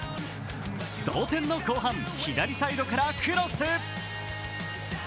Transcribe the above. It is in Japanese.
同点の後半左サイドからクロス。